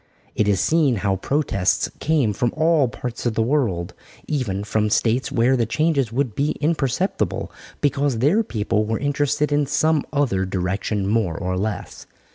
It is seen how protests came from all parts of the world, even from States where the changes would be imperceptible, because their people were interested in some other direction more or less.